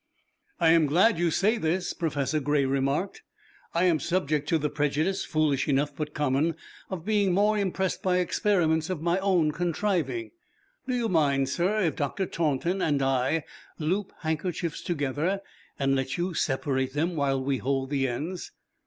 "I am glad that you say this," Professor Gray remarked. "I am subject to the prejudice, foolish enough but common, of being more impressed by experiments of my own contriving. Do you mind, sir, if Dr. Taunton and I loop handkerchiefs together, and let you separate them while we hold the ends?"